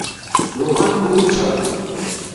رُوغن بوت چھا